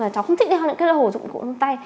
cháu không thích đi theo những cái đồng hồ dùng cụm tay